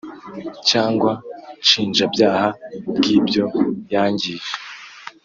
Cyangwa nshinjabyaha bw’ibyo yangije